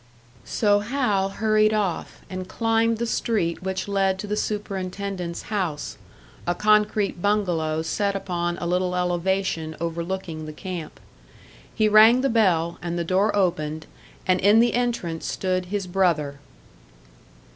So Hal hurried off, and climbed the street which led to the superintendent's house, a concrete bungalow set upon a little elevation overlooking the camp. He rang the bell, and the door opened, and in the entrance stood his brother.